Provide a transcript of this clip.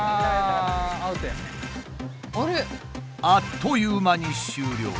あっという間に終了。